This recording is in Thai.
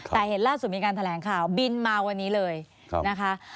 แต่เห็นล่าสุดมีการแถลงข่าวบินมาวันนี้เลยนะคะ